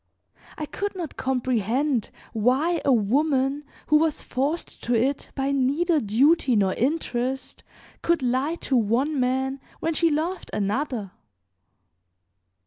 I could not comprehend why a woman who was forced to it by neither duty nor interest could lie to one man when she loved another.